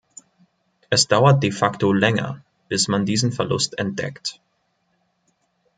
Es dauert de facto länger, bis man diesen Verlust entdeckt.